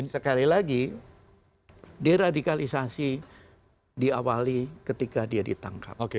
sekali lagi deradikalisasi diawali ketika dia ditangkap